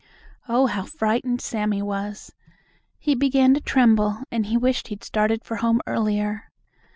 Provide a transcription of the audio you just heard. Oh, how frightened Sammie was. He began to tremble, and he wished he'd started for home earlier.